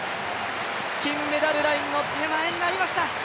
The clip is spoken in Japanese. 金メダルラインの手前になりました。